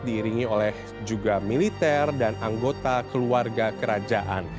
diiringi oleh juga militer dan anggota keluarga kerajaan